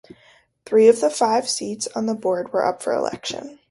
Three of the five seats on the board were up for election.